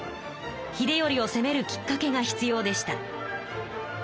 秀頼をせめるきっかけが必要でした。